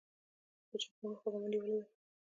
د جګړو مخه به مو نیولې وي.